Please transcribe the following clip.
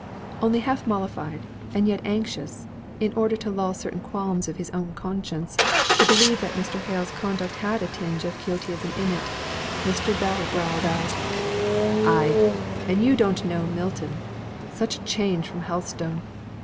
Only half mollified, and yet anxious, in order to lull certain qualms of his own conscience, to believe that Mr. Hale's conduct had a tinge of Quixotism in it, Mr. Bell growled out "Aye! And you don't know Milton. Such a change from Helstone!